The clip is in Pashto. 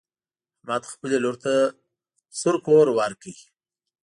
احمد خپلې لور ته سور کور ورکړ.